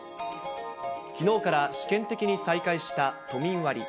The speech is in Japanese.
きのうから試験的に再開した都民割。